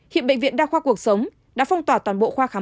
hiện bệnh viện đa khoa cuộc sống đã phong tỏa toàn bộ khoa khám